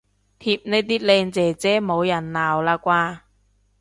貼呢啲靚姐姐冇人鬧喇啩